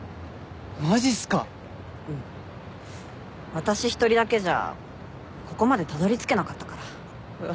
私一人だけじゃここまでたどり着けなかったから。